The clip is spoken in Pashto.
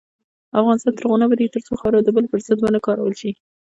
افغانستان تر هغو نه ابادیږي، ترڅو خاوره د بل پر ضد ونه کارول شي.